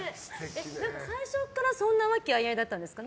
最初からそんなに和気あいあいだったんですか？